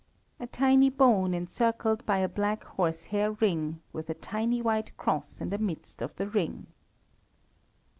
A tiny bone encircled by a black horsehair ring, with a tiny white cross in the midst of the ring.